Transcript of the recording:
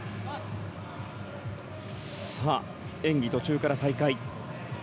演技途中から再開。